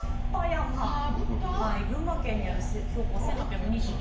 群馬県にある標高１，８２２